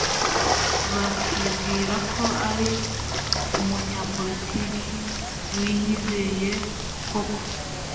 bakibwira ko ari umunyapolitiki wiyizeye koko